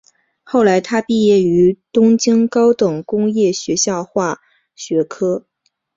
后来他毕业于东京高等工业学校化学科。